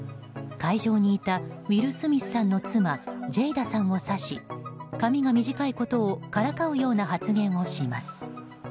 会場にいたウィル・スミスさんの妻ジェイダさんを指し髪が短いことをからかうような発言をします。